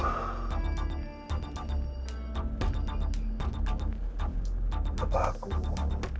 apa aku keklat gitu ya